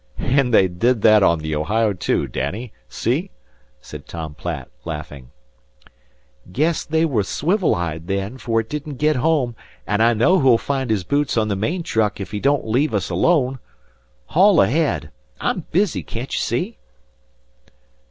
"An' they did that on the Ohio, too, Danny. See?" said Tom Platt, laughing. "Guess they was swivel eyed, then, fer it didn't git home, and I know who'll find his boots on the main truck ef he don't leave us alone. Haul ahead! I'm busy, can't ye see?"